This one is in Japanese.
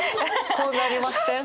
こうなりません？